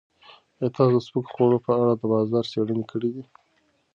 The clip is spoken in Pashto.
ایا تاسو د سپکو خوړو په اړه د بازار څېړنې کړې دي؟